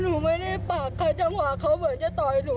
หนูไม่ได้ปักค่ะจังหวะเขาเหมือนจะต่อยหนู